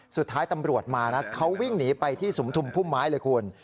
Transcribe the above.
สุดท้ายตำรวจมานะเขาวิ่งหนีไปที่สุมทุมพุ่มไม้เลยคุณ